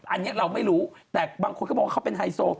อันนี้เราไม่รู้แต่บางคนก็บอกว่าเขาเป็นไฮโซ